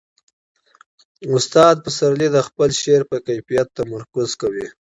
استاد پسرلی د خپل شعر پر کیفیت تمرکز کوي.